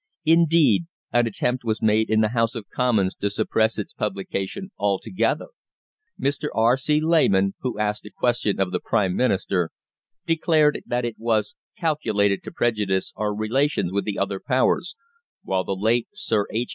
Indeed, an attempt was made in the House of Commons to suppress its publication altogether. Mr. R. C. Lehmann, who asked a question of the Prime Minister, declared that it was "calculated to prejudice our relations with the other Powers," while the late Sir H.